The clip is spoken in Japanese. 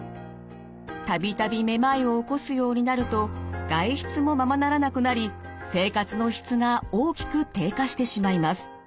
度々めまいを起こすようになると外出もままならなくなり生活の質が大きく低下してしまいます。